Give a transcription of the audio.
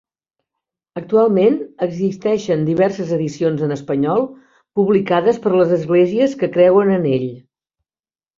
Actualment existeixen diverses edicions en espanyol publicades per les esglésies que creuen en ell.